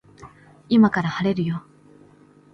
今から晴れるよ